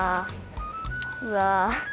うわ。